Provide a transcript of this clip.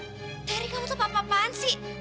teri kamu tuh apa apaan sih